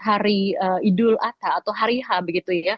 hari idul atha atau hariha begitu